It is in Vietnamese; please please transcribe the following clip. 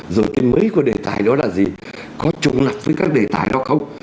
rồi cái mấy cái đề tài đó là gì có chủng lập với các đề tài đó không